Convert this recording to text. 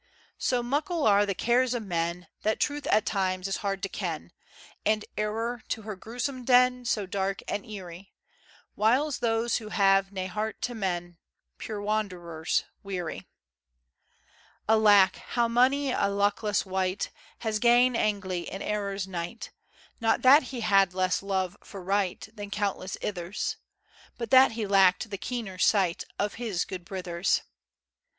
So muckle[D] are the cares o' men, That Truth at times is hard to ken, And Error, to her grousome[E] den, So dark and eerie, Wiles those who have na heart to men';[F] Puir wanderers weary. Alack! how mony a luckless wight Has gane agley[G] in Error's night, Not that he had less love for right Than countless ithers; But that he lacked the keener sight Of his guid brithers.